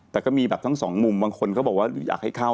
แต่ก็มีแบบทั้งสองมุมบางคนก็บอกว่าอยากให้เข้า